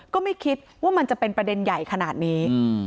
ก็ไม่คิดว่ามันจะเป็นประเด็นใหญ่ขนาดนี้